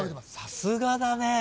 さすがだね。